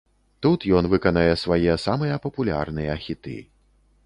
Тут ён выканае свае самыя папулярныя хіты.